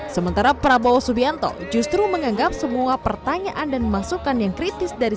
sementara prabowo subianto justru menganggap semua pertanyaan dan masukan yang kritis dari